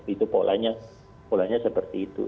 itu polanya seperti itu